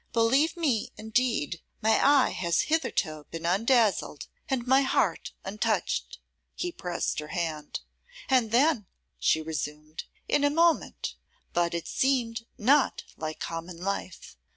Believe me, indeed, my eye has hitherto been undazzled, and my heart untouched.' He pressed her hand. 'And then,' she resumed, 'in a moment; but it seemed not like common life.